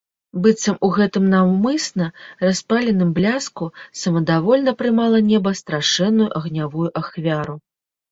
Быццам у гэтым наўмысна распаленым бляску самадавольна прымала неба страшэнную агнявую ахвяру.